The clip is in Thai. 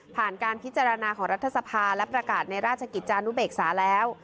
การพิจารณาของรัฐสภาและประกาศในราชกิจจานุเบกษาแล้ว